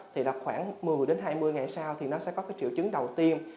thì khoảng một mươi đến hai mươi ngày sau thì nó sẽ có triệu chứng đầu tiên